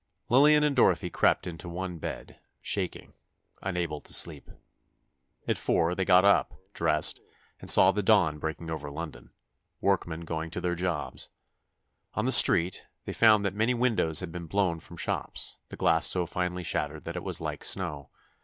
Lillian and Dorothy crept into one bed, shaking, unable to sleep. At four they got up, dressed, saw the dawn breaking over London—workmen going to their jobs. On the street, they found that many windows had been blown from shops, the glass so finely shattered that it was like snow.